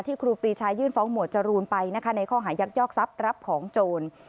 ครูปรีชายื่นฟ้องหมวดจรูนไปนะคะในข้อหายักยอกทรัพย์รับของโจร